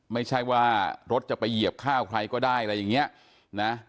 ไม่ใช่ว่ารถจะไปเหยียบข้าวใครก็ได้อะไรอย่างเงี้ยนะ